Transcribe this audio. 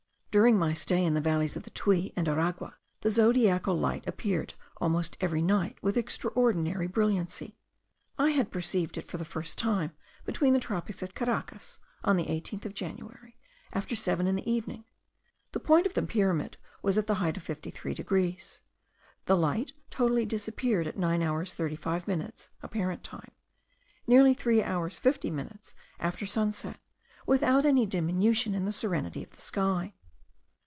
During my stay in the valleys of the Tuy and Aragua the zodiacal light appeared almost every night with extraordinary brilliancy. I had perceived it for the first time between the tropics at Caracas, on the 18th of January, after seven in the evening. The point of the pyramid was at the height of 53 degrees. The light totally disappeared at 9 hours 35 minutes (apparent time), nearly 3 hours 50 minutes after sunset, without any diminution in the serenity of the sky.